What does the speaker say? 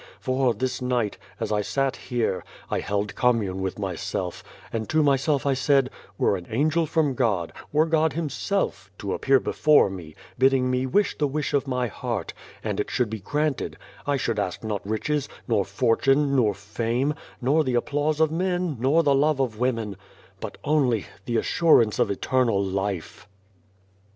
For this night, as I sat here, I held commune with myself, and to myself I said, ' Were an angel from God were God Himself to appear before me, bidding me wish the wish of my heart, and it should be granted, I should ask not riches, nor fortune, nor fame, nor the applause of men, nor the love of women, but only the assurance of Eternal Life.'